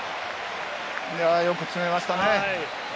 よく詰めましたね。